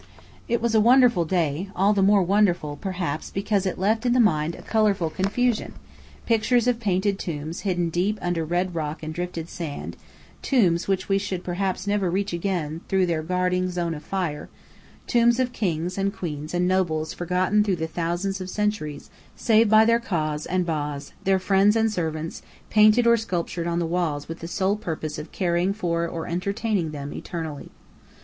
It was a wonderful day, all the more wonderful perhaps because it left in the mind a colourful confusion; pictures of painted tombs hidden deep under red rock and drifted sand, tombs which we should perhaps never reach again through their guarding zone of fire tombs of kings and queens and nobles forgotten through thousands of centuries save by their kas and has, their friends and servants, painted or sculptured on the walls with the sole purpose of caring for or entertaining them eternally.